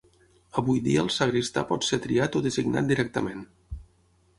Avui dia el sagristà pot ser triat o designat directament.